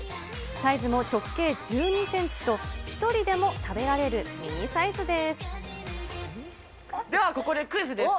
サイズも直径１２センチと、１人でも食べられるミニサイズでではここでクイズです。